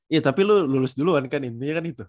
iya tapi lu lulus duluan kan intinya kan itu